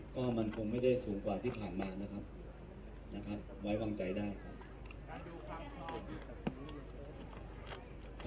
ก็มันคงไม่ได้สูงกว่าที่ผ่านมานะครับไว้วางใจได้ครับ